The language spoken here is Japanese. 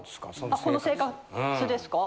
あこの生活ですか？